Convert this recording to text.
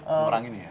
mengurangi nih ya